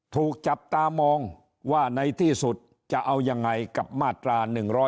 ถูกจับตามองว่าในที่สุดจะเอายังไงกับมาตรา๑๑๒